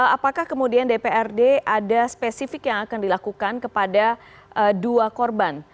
apakah kemudian dprd ada spesifik yang akan dilakukan kepada dua korban